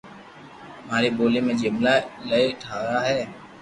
ماري ڀولي ۾ جملا ايلايو ٺايا ھي